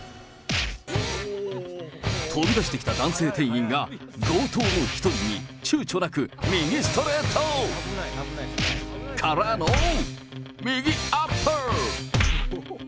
飛び出してきた男性店員が、強盗の１人にちゅうちょなく右ストレート。からの、右アッパー。